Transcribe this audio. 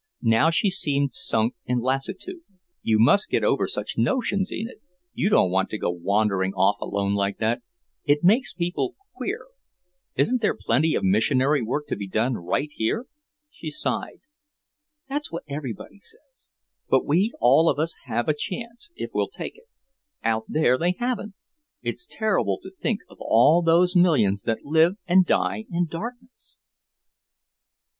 Now she seemed sunk in lassitude. "You must get over such notions, Enid. You don't want to go wandering off alone like that. It makes people queer. Isn't there plenty of missionary work to be done right here?" She sighed. "That's what everybody says. But we all of us have a chance, if we'll take it. Out there they haven't. It's terrible to think of all those millions that live and die in darkness."